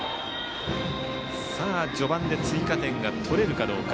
序盤で追加点が取れるかどうか。